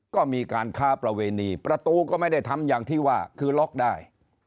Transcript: ก็มีการค้าประเวณีประตูก็ไม่ได้ทำอย่างที่ว่าคือล็อกได้